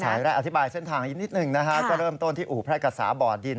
สายแรกอธิบายเส้นทางนิดนึงนะครับก็เริ่มต้นที่อู่พระกษาบ่อดิน